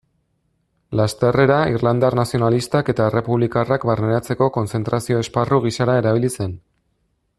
Lasterrera irlandar nazionalistak eta errepublikarrak barneratzeko kontzentrazio-esparru gisara erabili zen.